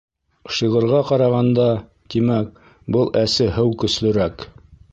Шиғырға ҡарағанда, тимәк, был әсе һыу көслөрәк.